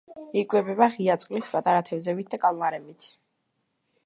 იკვებება ღია წყლის პატარა თევზებითა და კალმარებით.